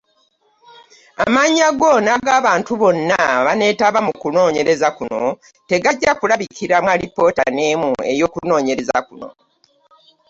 Amannya go n’ag’abantu bonna bonna abaneetaba mu mu kunoonyereza kuno tegajja kulabikira mu alipoota n’emu ey’okunoonyereza kuno.